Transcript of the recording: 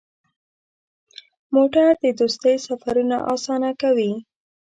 موټر د دوستۍ سفرونه اسانه کوي.